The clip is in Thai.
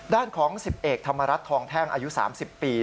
ด้านของ๑๐เอกธรรมรัฐทองแท่งอายุ๓๐ปี